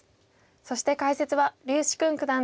そして解説は柳時熏九段です。